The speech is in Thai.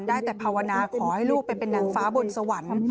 ได้แต่ภาวนาขอให้ลูกไปเป็นนางฟ้าบนสวรรค์